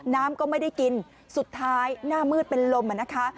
น้ำก็ไม่ได้กินสุดท้ายหน้ามืดเป็นลมอ่ะนะคะ